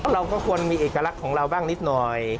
เราก็ควรมีเอกลักษณ์ของเราบ้างนิดหน่อย